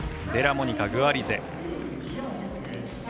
デラモニカ、グアリゼ。